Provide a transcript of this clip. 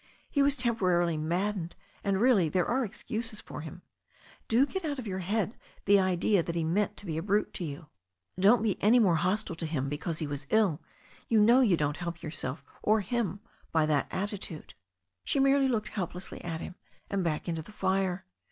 He was temporarily maddened, and really there are excuses for him. Do get out of your head the idea that he meant to be a brute to you. Don't be any more hostile to him because he was ill. You know you don't help yourself or him by that attitude." She merely looked helplessly at him and back into the fire.